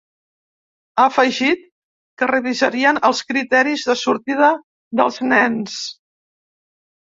Ha afegit que revisarien els criteris de sortida dels nens.